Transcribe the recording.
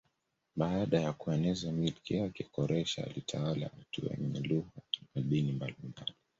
Baada ya kueneza milki yake Koreshi alitawala watu wenye lugha na dini mbalimbali.